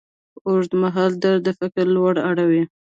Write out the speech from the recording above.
اوږدمهاله درد د فکر لوری اړوي.